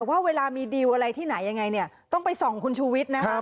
ว่าเวลามีดีลอะไรที่ไหนยังไงเนี่ยต้องไปส่องคุณชูวิทย์นะครับ